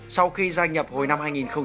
sau khi gia nhập hồi năm hai nghìn một mươi